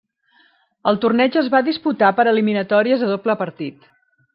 El torneig es va disputar per eliminatòries a doble partit.